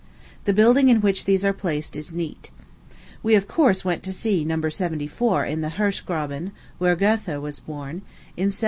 The building in which these are placed is neat. We, of course, went to see No. 74 in the Hersch Graben, where Goethe was born, in 1749.